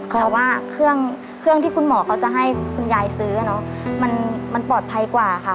เพราะว่าเครื่องที่คุณหมอเขาจะให้คุณยายซื้อมันปลอดภัยกว่าค่ะ